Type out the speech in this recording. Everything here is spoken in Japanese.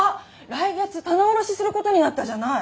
来月棚卸しすることになったじゃない？